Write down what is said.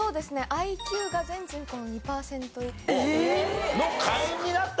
ＩＱが全人口の２パーセント。の会員になった。